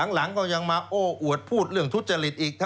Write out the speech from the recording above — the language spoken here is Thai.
หลังก็ยังมาโอ้อวดพูดเรื่องทุจริตอีก